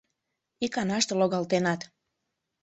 — Иканаште логалтенат!